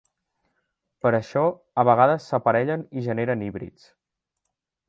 Per això, a vegades s'aparellen i generen híbrids.